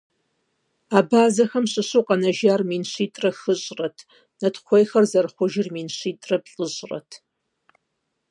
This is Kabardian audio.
Абазэххэм щыщу къэнэжар мин щитӏрэ хыщӏрэт, натыхъуейхэр зэрыхъужыр мин щитӏрэ плӏыщӏрэт.